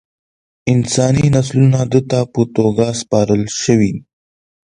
انساني نسلونه ده ته په توګه سپارل شوي.